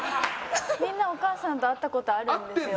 みんなお母さんと会ったことあるんですよ